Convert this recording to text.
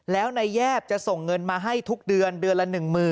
แล้วนายแยบจะส่งเงินมาให้ทุกเดือนเดือนละ๑๐๐๐